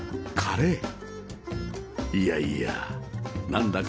いやいやなんだか